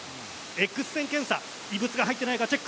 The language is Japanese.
Ｘ線検査、異物が入っていないかチェック。